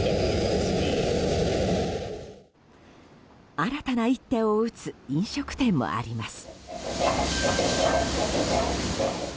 新たな一手を打つ飲食店もあります。